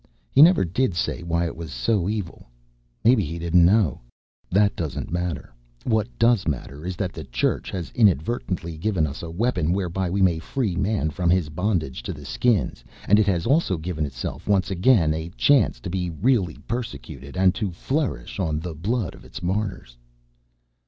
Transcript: He never did say why it was so evil. Maybe he didn't know. "That doesn't matter. What does matter is that the Church has inadvertently given us a weapon whereby we may free Man from his bondage to the Skins and it has also given itself once again a chance to be really persecuted and to flourish on the blood of its martyrs."